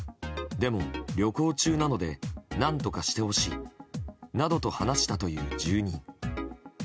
でも、旅行中なので何とかしてほしいなどと話したという住人。